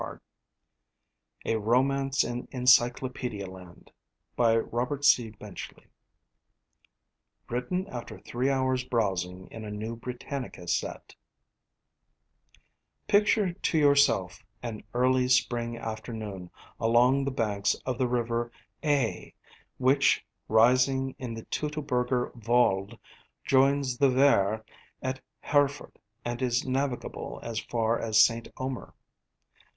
XVI A ROMANCE IN ENCYCLOPÆDIA LAND Written After Three Hours' Browsing in a New Britannica Set Picture to yourself an early spring afternoon along the banks of the river Aa, which, rising in the Teutoburger Wald, joins the Werre at Herford and is navigable as far as St. Omer.